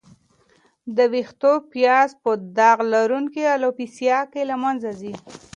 د وېښتو پیاز په داغ لرونکې الوپیسیا کې له منځه ځي.